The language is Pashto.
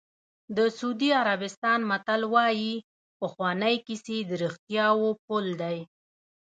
د سعودي عربستان متل وایي پخوانۍ کیسې د رښتیاوو پل دی.